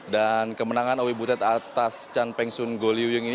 dan kemenangan oi butet atas chan peng son goh liu ying ini